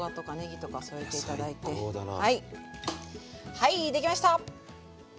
はい出来ました！